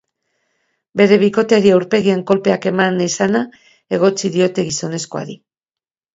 Bere bikoteari aurpegian kolpeak eman izana egotzi diote gizonezkoari.